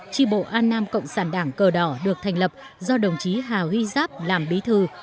tri bộ an nam cộng sản đảng cờ đỏ được thành lập do đồng chí hà huy giáp làm bí thư